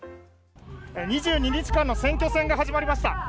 ２２日間の選挙戦が始まりました。